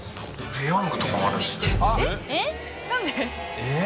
えっ？